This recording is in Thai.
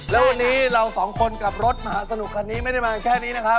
แล้ววันนี้เราสองคนกับรถมหาสนุกคันนี้ไม่ได้มาแค่นี้นะครับ